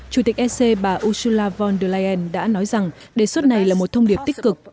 chủ tịch ec bà ursula von der leyen đã nói rằng đề xuất này là một thông điệp tích cực